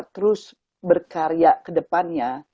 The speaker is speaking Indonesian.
terus berkarya kedepannya